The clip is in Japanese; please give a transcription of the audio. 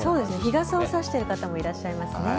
日傘を差している方もいらっしゃいますね。